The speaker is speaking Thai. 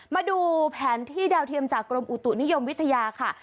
มาดูแผนที่ดาวเทียมจากกรมอุตุนิยมวิทยาค่ะ